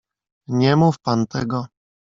"Nie mów pan tego!"